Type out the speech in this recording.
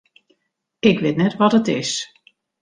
Ik wit net wat it is.